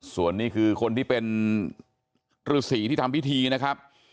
ส่วนนี้คือคนที่เป็นฤษีที่ทำพิธีนะครับ